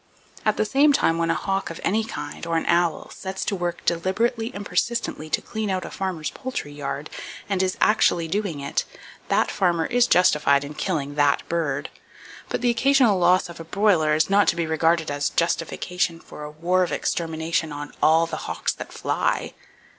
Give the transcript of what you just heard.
At the same time, when a hawk of any kind, or an owl, sets to work deliberately and persistently to clean out a farmer's poultry yard, and is actually doing it, that farmer is justified in killing that bird. But, the occasional loss of a broiler is not to be regarded as justification for a war of extermination on all the hawks that fly!